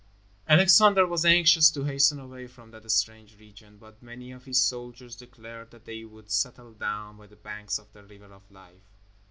Alexander was anxious to hasten away from that strange region, but many of his soldiers declared that they would settle down by the banks of the River of Life.